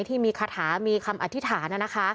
ที่มีคาถามีคำอธิษฐาน